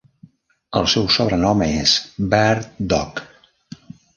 El seu sobrenom és Bird Dogg.